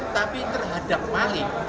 tapi terhadap maling